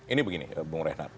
ini begini bung rehnar